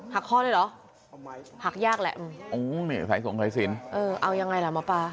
หักข้อเลยเหรอหักยากแหละใส่ส่งใส่สินเอายังไงล่ะหมอปลา